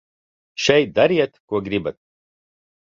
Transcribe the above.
Šeit dariet, ko gribat.